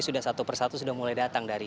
sudah satu persatu sudah mulai datang dari